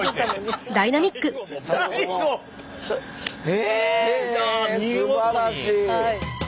へえすばらしい！